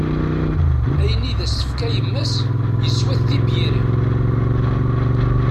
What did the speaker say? Ayen i as-d-tefka yemma-s, iswa-t d tibyirin.